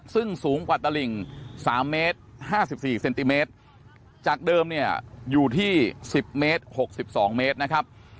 ซึ่งสูงกว่าตลิ่ง๓เมตร๕๔เซนติเมตรจากเดิมเนี่ยอยู่ที่๑๐เมตร๖๒เมตรนะครับ